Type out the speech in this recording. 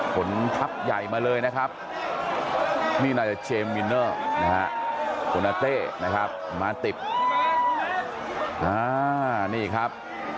ผลพับใหญ่มาเลยนะครับนี่น่าจะเจมสมินเนอร์นะฮะโอนาเต้นะครับมาติดนี่ครับ